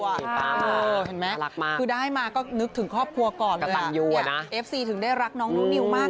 เห็นไหมคือได้มาก็นึกถึงครอบครัวก่อนเลยเนี่ยเอฟซีถึงได้รักน้องน้องนิวมาก